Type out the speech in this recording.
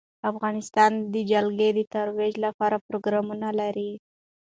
افغانستان د جلګه د ترویج لپاره پروګرامونه لري.